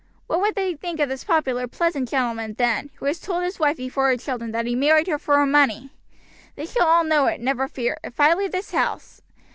What would they think of this popular, pleasant gentleman then, who has told his wife before her children that he married her for her money? They shall all know it, never fear, if I leave this house.